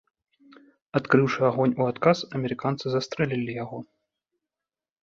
Адкрыўшы агонь у адказ, амерыканцы застрэлілі яго.